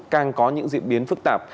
càng có những diễn biến phức tạp